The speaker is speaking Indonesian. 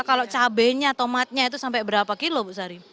kalau cabainya tomatnya itu sampai berapa kilo bu sari